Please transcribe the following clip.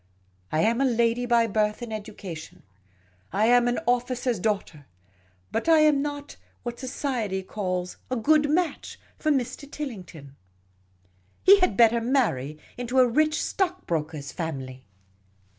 I am a lady by birth and education ; I am an officer's daughter ; but I am not what society calls a * good match ' for Mr. Tilling ton. He had better marry into a rich stock broker' s family.